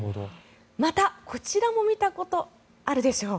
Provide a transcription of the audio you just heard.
また、こちらも見たことがあるでしょう。